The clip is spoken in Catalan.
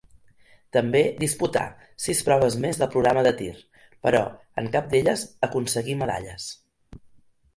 També disputà sis proves més del programa de tir, però en cap d'elles aconseguí medalles.